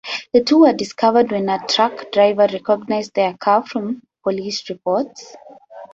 The two were discovered when a truck driver recognized their car from police reports.